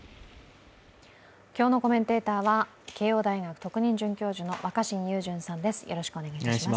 今日のコメンテーターは、慶応大学特任教授の若新雄純さんです。